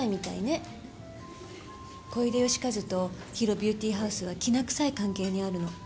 小出義和とＨＩＲＯビューティーハウスはきな臭い関係にあるの。